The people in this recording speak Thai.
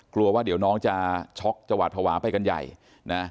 กลัวว่าเดี๋ยวน้องจะช็อกจะหวาดภาวะไปกันใหญ่นะ